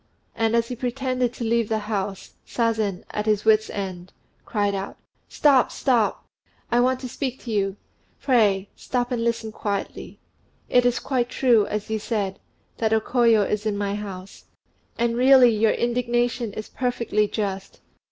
And as he pretended to leave the house, Sazen, at his wits' end, cried out, "Stop! stop! I want to speak to you. Pray, stop and listen quietly. It is quite true, as you said, that O Koyo is in my house; and really your indignation is perfectly just.